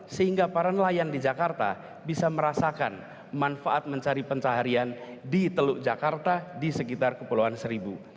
sehingga para nelayan di jakarta bisa merasakan manfaat mencari pencaharian di teluk jakarta di sekitar kepulauan seribu